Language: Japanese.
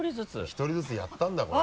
１人ずつやったんだこれ。